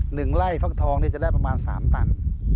หนึ่งไล่ฟักทองจะได้ประมาณ๓ตัน